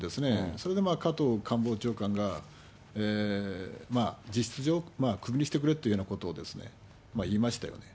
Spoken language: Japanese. それで加藤官房長官が、実質上、クビにしてくれというようなことを言いましたよね。